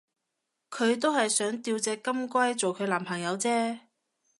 佢都係想吊隻金龜做佢男朋友啫